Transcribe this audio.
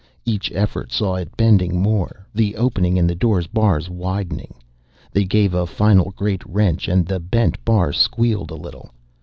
Each effort saw it bending more, the opening in the door's bars widening. They gave a final great wrench and the bent bar squealed a little.